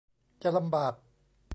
จะลำบาก